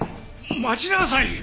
待ちなさい！